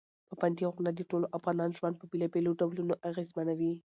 پابندي غرونه د ټولو افغانانو ژوند په بېلابېلو ډولونو اغېزمنوي.